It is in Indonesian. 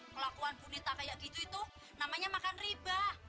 kelakuan bu nita kayak gitu itu namanya makan riba